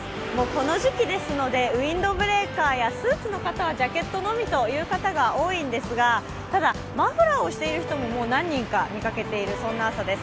この時期ですのでウィンドブレーカーやスーツの方はジャケットのみという方が多いんですが、ただ、マフラーをしている方も何人か見かけている、そんな朝です。